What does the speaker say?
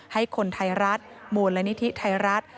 ให้คนไทยรัฐมูลนิธิไทยรัฐ